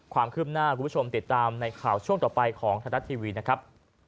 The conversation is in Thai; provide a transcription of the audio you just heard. ความคืบหน้าคุณผู้ชมติดตามในข่าวช่วงต่อไปของธนัททีวีนะครับ